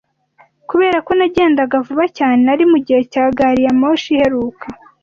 Kubera ko nagendaga vuba cyane, nari mugihe cya gari ya moshi iheruka.